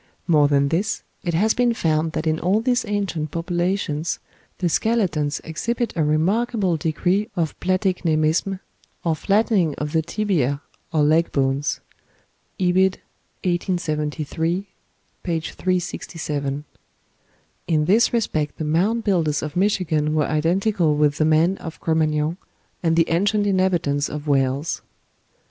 More than this, it has been found that in all these ancient populations the skeletons exhibit a remarkable degree of platicnemism, or flattening of the tibiæ or leg bones. (Ibid., 1873, p. 367.) In this respect the Mound Builders of Michigan were identical with the man of Cro Magnon and the ancient inhabitants of Wales.